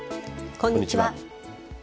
こんにちは。